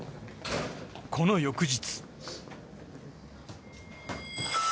この翌日。